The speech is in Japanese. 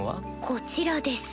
こちらです。